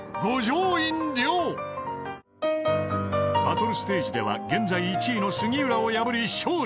［バトルステージでは現在１位の杉浦を破り勝利］